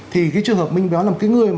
thì trường hợp minh béo là một người